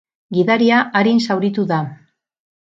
Gidaria arin zauritu da.